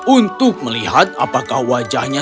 untuk melihat apakah wajahnya